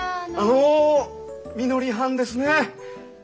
あのみのりはんですね？